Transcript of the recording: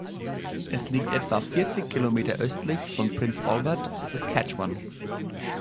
Es liegt etwa vierzig Kilometer östlich von Prince Albert, Saskatchewan.